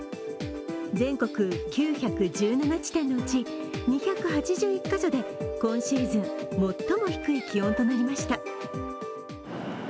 全国９１７地点のうち２８１カ所で今シーズン最も低い気温となりました。